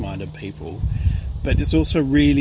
jaringan yang sama dengan orang lain